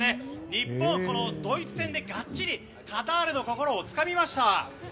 日本、ドイツ戦でがっちりカタールの心をつかみました。